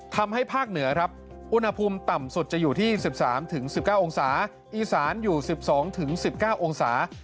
ภาคเหนือครับอุณหภูมิต่ำสุดจะอยู่ที่๑๓๑๙องศาอีสานอยู่๑๒๑๙องศา